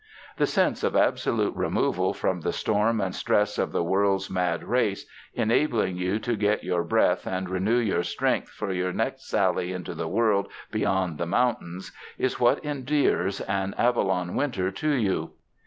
The sense of absolute removal from the storm and stress of the world's mad race, enabling you to get your breath and renew your strength for your next sally into the world beyond the mountains, is what endears an Avalon winter to you.